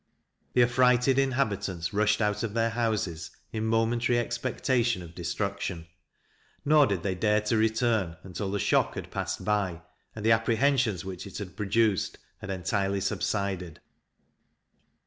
The affrighted inhabitants rushed out of their houses, in momentary expectation of destruction; nor did they dare to return until the shock had passed by, and the apprehensions which it had produced had entirely subsided.